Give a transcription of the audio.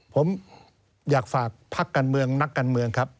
ผมอยากฝากพักการเมืองนักการเมืองครับ